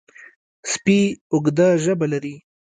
سپي اوږده ژبه لري.